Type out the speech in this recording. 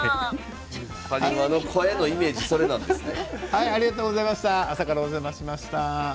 埴輪の声のイメージそれなんですね。